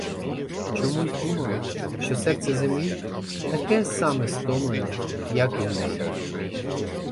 Чомусь думала, що серце землі таке саме стомлене, як і в неї.